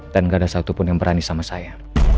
dan gak ada satupun yang berani sama saya